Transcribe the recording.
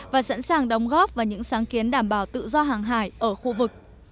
và sẵn sàng đóng góp vào những sáng kiến đảm bảo tự do hàng hải ở khu vực